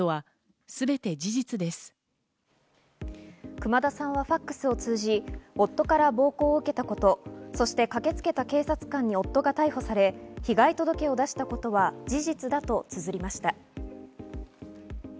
熊田さんはファクスを通じ、夫から暴行を受けたこと、そして駆けつけた警察官に夫が逮捕され、被害届を出したことは事実だと綴りました。